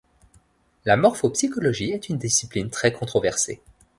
La morphopsychologie est une discipline très controversée.